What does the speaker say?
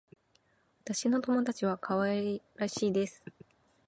私の友達は可愛らしいです。